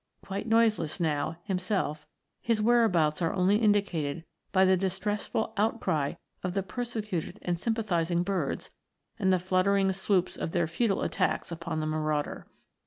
Quite noiseless now, himself, his whereabouts are only indicated by the distressful outcry of the persecuted and sympathizing birds and the fluttering swoops of their futile attacks upon the marauder.